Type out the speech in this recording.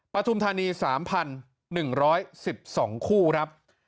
ปฐุมธานี๓๑๑๒คู่ครับ